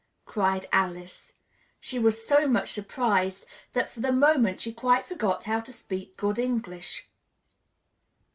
cried Alice (she was so much surprised that for the moment she quite forgot how to speak good English).